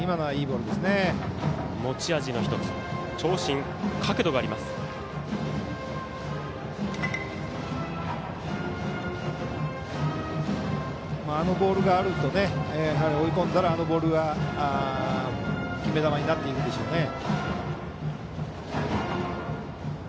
あのボールがあると追い込んだら、あのボールが決め球になっていくでしょうしね。